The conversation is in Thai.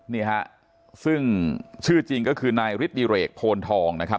นี่ฮะซึ่งชื่อจริงก็คือนายฤทธิเรกโพนทองนะครับ